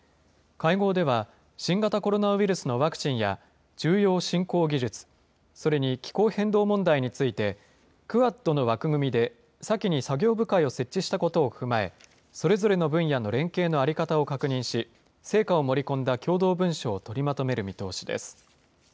会合では、新型コロナウイルスのワクチンや重要・新興技術、それに気候変動問題について、クアッドの枠組みで先に作業部会を設置してきたことを踏まえ、それぞれの分野の連携の在り方を確認し、成果を盛り込んだ共同文書を取りまとめる見通しです。